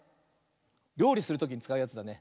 りょうりするときにつかうやつだね。